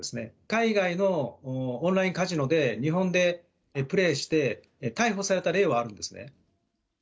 海外のオンラインカジノで、日本でプレーして、逮捕された例はあるんですね。